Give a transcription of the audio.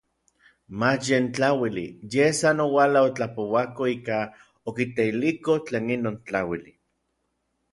Mach yen tlauili, yej san oualaj otlapouako ika okiteiliko tlen inon tlauili.